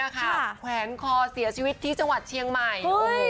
แขวนคอเสียชีวิตที่จังหวัดเชียงใหม่